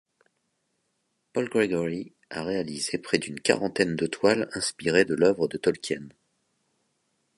Paul Gregory a réalisé près d'une quarantaine de toiles inspirées de l'œuvre de Tolkien.